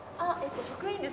職員です。